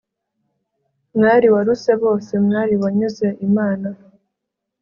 mwari waruse bose, mwari wanyuze imana